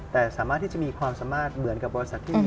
แต่สามารถที่จะมีความสามารถเหมือนกับบริษัทที่มี